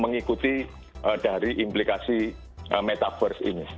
mengikuti dari implikasi metaverse ini